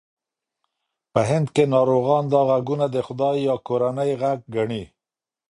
په هند کې ناروغان دا غږونه د خدای یا کورنۍ غږ ګڼي.